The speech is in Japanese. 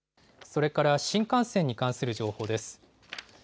それから新幹線に関する情報です。